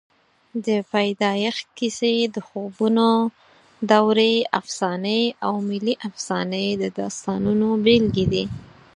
د پیدایښت کیسې، د خوبونو دورې افسانې او ملي افسانې د داستانونو بېلګې دي.